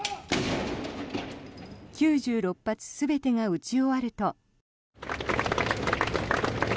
９６発全てが撃ち終わると。